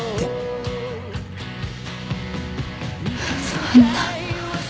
そんな。